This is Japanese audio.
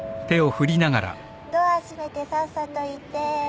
ドア閉めてさっさと行ってー。